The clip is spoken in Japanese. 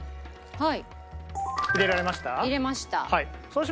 はい。